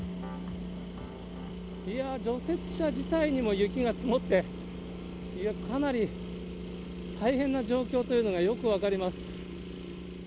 いやー、除雪車自体にも雪が積もって、かなり大変な状況というのがよく分かります。